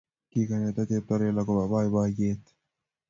Kigonyita cheptailel ago boiboiyet